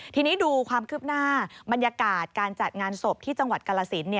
ทีนี้ดูความคืบหน้าบรรยากาศการจัดงานศพที่จังหวัดกาลสิน